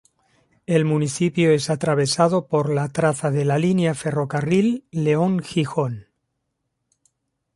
El municipio es atravesado por la traza de la línea de ferrocarril León-Gijón.